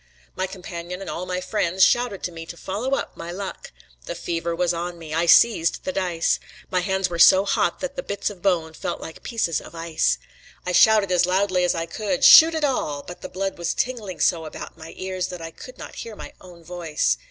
My companion and all my friends shouted to me to follow up my luck. The fever was on me. I seized the dice. My hands were so hot that the bits of bone felt like pieces of ice. I shouted as loudly as I could: "Shoot it all!" but the blood was tingling so about my ears that I could not hear my own voice.